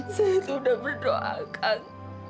saya itu udah berdoa kang